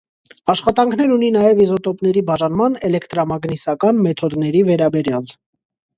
Աշխատանքներ ունի նաև իզոտոպների բաժանման էլեկտրամագնիսական մեթոդների վերաբերյալ։